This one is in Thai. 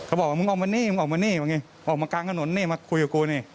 บอกว่ามึงออกมานี่มึงออกมานี่ออกมากลางถนนนี่มาคุยกับกูนี่